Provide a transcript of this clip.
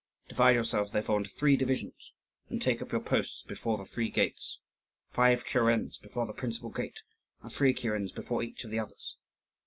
Divide yourselves, therefore, into three divisions, and take up your posts before the three gates; five kurens before the principal gate, and three kurens before each of the others.